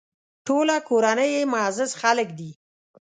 ټوله کورنۍ یې معزز خلک دي.